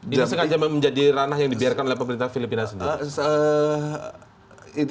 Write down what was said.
ini sengaja menjadi ranah yang dibiarkan oleh pemerintah filipina sendiri